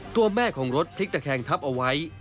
ตัวแม่ของรถพลิกตะแคงทับเอาไว้